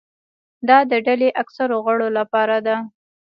دا د ډلې اکثرو غړو لپاره ده.